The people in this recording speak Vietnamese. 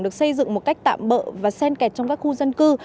được xây dựng một cách tạm bỡ và sen kẹt trong các khu dân cư